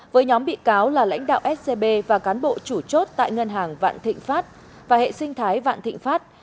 với nhóm bị cáo là lãnh đạo scb và cán bộ chủ chốt tại ngân hàng vạn thịnh pháp và hệ sinh thái vạn thịnh pháp